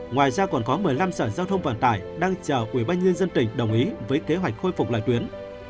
ngoài ra còn có một mươi năm sở giao thông vận tải đang chờ ubnd tỉnh đồng ý với kế hoạch khôi phục lại tuyến